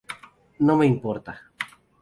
No me importa.